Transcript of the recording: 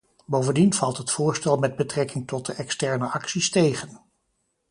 Bovendien valt het voorstel met betrekking tot de externe acties tegen.